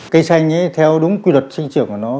cây xanh theo đúng quy luật sinh trưởng của nó